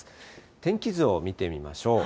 天気図を見てみましょう。